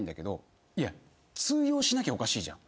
通用しなきゃおかしいじゃん？